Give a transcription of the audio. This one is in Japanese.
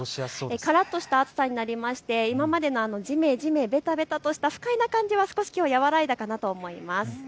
からっとした暑さになって今までのじめじめ、べたべたとした不快な感じは少しきょうは和らいだかなと感じます。